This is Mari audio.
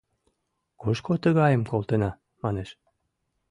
Кушко тыгайым колтена?» — манеш.